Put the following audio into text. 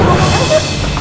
kalian pun rutin